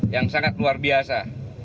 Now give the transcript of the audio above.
yang sangat luar biasa